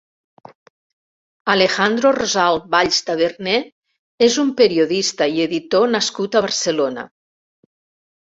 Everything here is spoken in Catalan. Alejandro Rosal Valls Taberner és un periodista i editor nascut a Barcelona.